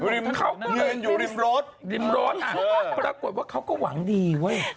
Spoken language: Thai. ยืนอยู่ริมรถริมรถปรากฏว่าเขาก็หวังดีเว้ย